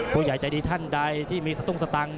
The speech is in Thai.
ผู้ใหญ่ใจดีท่านใดที่มีสตุ้งสตังค์